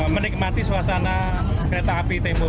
menikmati suasana kereta api tembok